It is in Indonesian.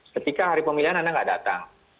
ketika hari pemilihan anda nggak datang